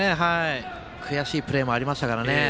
悔しいプレーもありましたからね。